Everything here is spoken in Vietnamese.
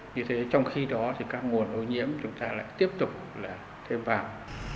như thế trong khi đó thì các nguồn ô nhiễm chúng ta lại tiếp tục là thêm vào